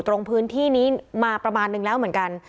ตรงพื้นที่นี้มาประมาณนึงแล้วเหมือนกัน